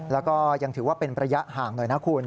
แล้วก็ยังถือว่าเป็นระยะห่างหน่อยนะคุณ